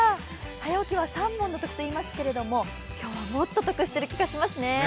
早起きは三文の徳と言いますけれども今日はもっと得している気がしますね。